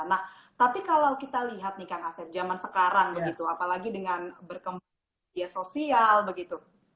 nah tapi kalau kita lihat nih kang asep zaman sekarang begitu apalagi dengan berkembang ya sosial begitu